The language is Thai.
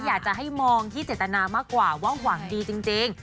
อยากจะให้มองที่เจตนามากกว่าว่าหวังดีจริง